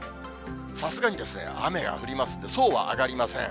さすがにですね、雨が降りますんで、そうは上がりません。